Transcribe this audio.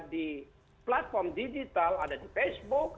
di platform digital ada di facebook